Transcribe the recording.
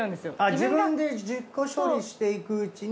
自分で自己処理していくうちに。